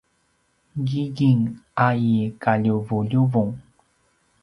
gingging a i kaljuvuljuvung